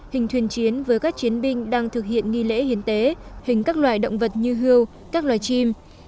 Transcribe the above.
hình thuyền chiến với các chiến binh đang thực hiện nghi lễ hiến tế hình các loài động vật như hưu các loài chim